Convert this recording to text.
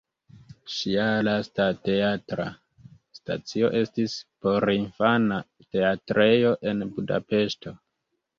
Ŝia lasta teatra stacio estis porinfana teatrejo en Budapeŝto.